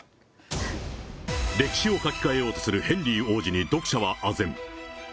歴史を書き換えようとするヘンリー王子に読者はあぜん。